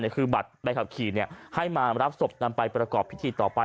คือบัตรใบขับขี่ให้มารับศพนำไปประกอบพิธีต่อไป